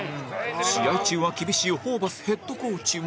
試合中は厳しいホーバスヘッドコーチも